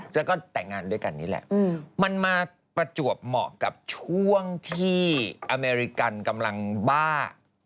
แล้วก็แต่งงานด้วยกันนี่แหละมันมาประจวบเหมาะกับช่วงที่อเมริกันกำลังบ้า